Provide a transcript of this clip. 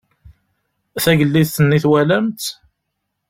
Tagellidt-nni twalamt-tt?